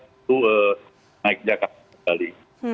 itu naik jangka sekali